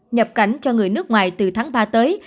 nhập cảnh cho người nước ngoài từ tháng ba tới